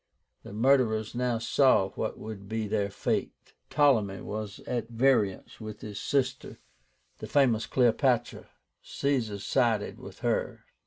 The murderers now saw what would be their fate. Ptolemy was at variance with his sister, the famous CLEOPÁTRA, Caesar sided with her.